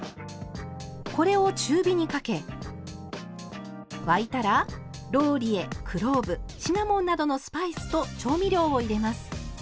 これを中火にかけ沸いたらローリエクローブシナモンなどのスパイスと調味料を入れます。